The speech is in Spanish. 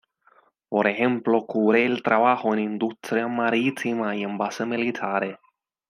Por ejemplo, cubre el trabajo en industrias marítimas y en bases militares.